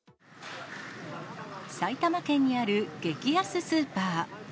埼玉県にある激安スーパー。